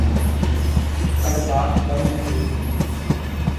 پر بات بن نہیں رہی۔